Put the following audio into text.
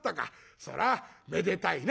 そらぁめでたいな」。